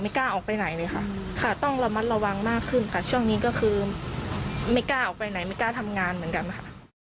กล้าออกไปไหนเลยค่ะค่ะต้องระมัดระวังมากขึ้นค่ะช่วงนี้ก็คือไม่กล้าออกไปไหนไม่กล้าทำงานเหมือนกันค่ะ